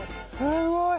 すごい！